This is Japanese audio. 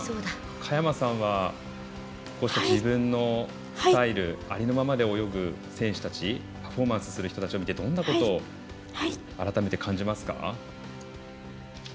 佳山さんは自分のスタイルありのままで泳ぐ選手たちパフォーマンスする人たちを見てどんなことを改めて感じますか？